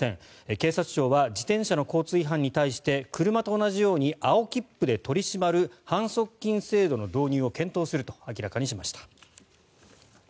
警察庁は自転車の交通違反に対して車と同じように青切符で取り締まる反則金制度の導入を検討すると明らかにしました。